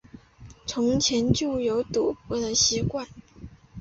从前就有赌博的习惯